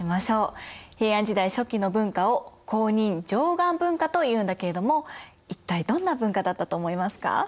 平安時代初期の文化を弘仁・貞観文化というんだけれども一体どんな文化だったと思いますか？